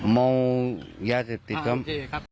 เมายาเสพติดครับ